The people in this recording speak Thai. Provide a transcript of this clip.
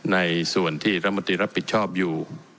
ในส่วนที่รัฐมนตรีรับผิดชอบอยู่